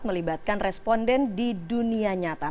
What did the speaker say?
melibatkan responden di dunia nyata